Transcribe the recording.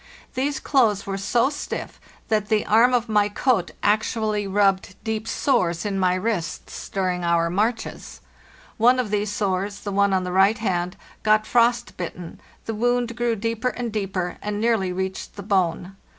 These clothes were so stiff that the arm of my coat actually rubbed deep sores in my wrists during our marches; one of these sores—the one on the right hand—got frost bitten, the wound grew deeper and deeper, and nearly reached the bone.